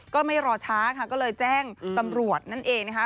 ก็ไม่รอช้าค่ะก็เลยแจ้งตำรวจนั่นเองนะคะ